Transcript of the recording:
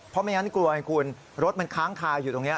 เพราะไม่งั้นกลัวไงคุณรถมันค้างคาอยู่ตรงนี้